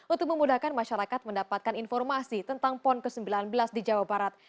untuk memudahkan masyarakat mendapatkan informasi tentang pon ke sembilan belas di jawa barat